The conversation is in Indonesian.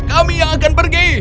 kami yang akan pergi